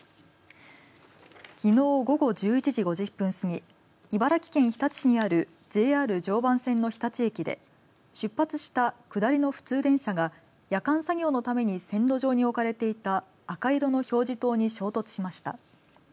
きのう午後１１時５０分過ぎ茨城県日立市にあるＪＲ常磐線の日立駅で出発した下りの普通電車が夜間作業のため線路上に置かれていた赤色の表示灯に衝突しました。